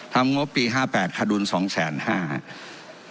ทำงบปี๕๘ขาดดุล๒๕๐ล้านครับ